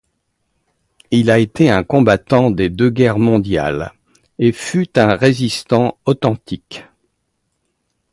Il a été un combattant des deux guerres mondiales et fut un résistant authentique.